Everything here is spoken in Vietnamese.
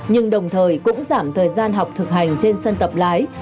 nhưng đồng thời cũng giảm thời gian học thực hành trên sân tập lái